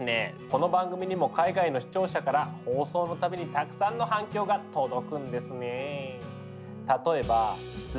この番組にも海外の視聴者から放送の度にたくさんの反響が届くんですね。